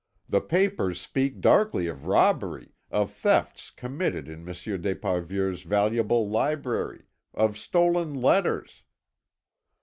The papers speak darkly of robbery, of thefts committed in Monsieur d'Esparvieu's valuable library, of stolen letters...."